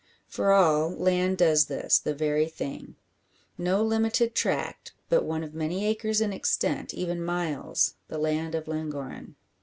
For all, land does this the very thing. No limited tract; but one of many acres in extent even miles the land of Llangorren.